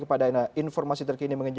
kepada anda informasi terkini